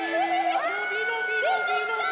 のびのびのびのび。